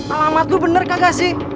alamat lo bener kagak sih